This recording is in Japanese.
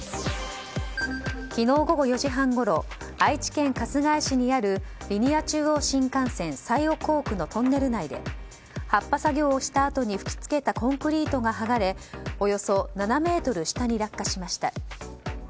昨日午後４時半ごろ愛知県春日井市にあるリニア中央新幹線トンネル内で発破作業をしたあとに吹き付けたコンクリートが剥がれおよそ７ｍ下に落下しました。